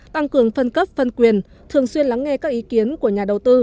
tăng cường phân cấp phân quyền thường xuyên lắng nghe các ý kiến của nhà đầu tư